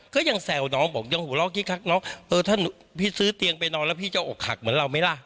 ก็ยังแซวน้องบอกยังหัวเราะคิกคักน้องเออถ้าพี่ซื้อเตียงไปนอนแล้วพี่จะอกหักเหมือนเราไหมล่ะ